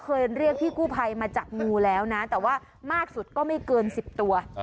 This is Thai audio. เรียกพี่กู้ภัยมาจับงูแล้วนะแต่ว่ามากสุดก็ไม่เกิน๑๐ตัว